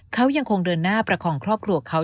เขายังคงเดินหน้าประคองครอบครัวเขา